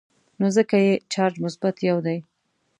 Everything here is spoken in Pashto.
نو ځکه یې چارج مثبت یو دی.